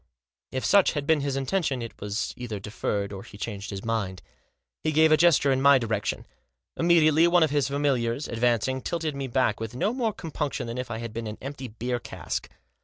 If suoh had been his intention, it was either deferred, or he changed his mind. He gave a gesture in my direction. Immediately one of his familiars, ad vancing, tilted me back with no more compunction than if I had been an empty beer cask.